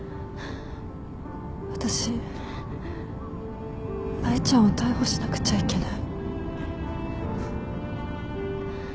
私舞ちゃんを逮捕しなくちゃいけない。